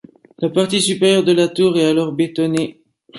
La partie supérieure de la tour est alors bétonnée.